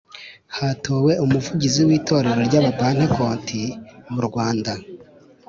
Hatowe umuvugizi w’itorero ry’abapantekoti mu Rwanda